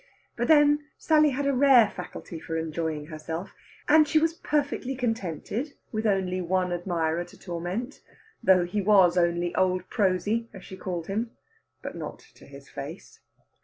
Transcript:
But then Sally had a rare faculty for enjoying herself, and she was perfectly contented with only one admirer to torment, though he was only old Prosy, as she called him, but not to his face.